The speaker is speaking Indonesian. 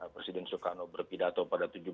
presiden soekarno berpidato pada